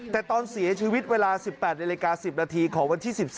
แต่ตอนเสียชีวิตเวลา๑๘นาฬิกา๑๐นาทีของวันที่๑๓